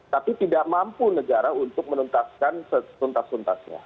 tapi tidak mampu negara untuk menuntaskan sesuntas suntasnya